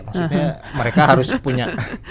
maksudnya mereka harus punya